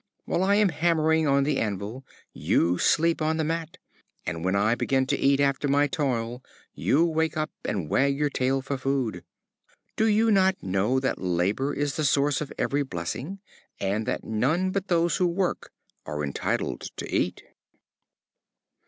While I am hammering on the anvil, you sleep on the mat, and when I begin to eat after my toil, you wake up and wag your tail for food. Do you not know that labor is the source of every blessing, and that none but those who work are entitled to eat?"